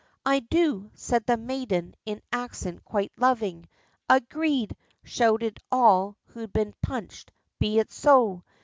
'I do!' said the maiden, in accent quite loving. 'Agreed!' shouted all who'd been punch'd, 'Be it so!'